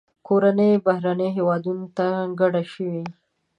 کورنۍ بهرنیو هیوادونو ته کډه شوې.